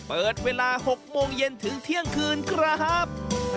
เปิดเวลา๖โมงเย็นถึงเที่ยงคืนครับ